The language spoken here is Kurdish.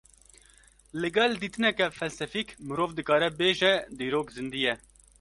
Li gel dîtineke felsefîk, mirov dikare bêje dîrok zîndî ye